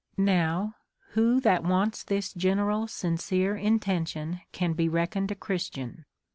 Now, who that wants this general sincere intention can be reckoned a Christian